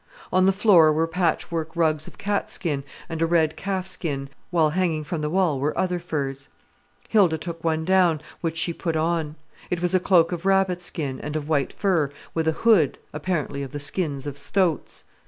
On the floor were patchwork rugs of cat skin, and a red calf skin, while hanging from the wall were other furs. Hilda took down one, which she put on. It was a cloak of rabbit skin and of white fur, with a hood, apparently of the skins of stoats.